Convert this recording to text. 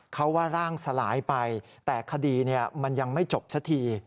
เขาว่าร่างสลายไปแต่คดีมันยังไม่จบสักที